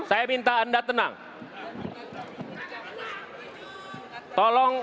saya minta anda tenang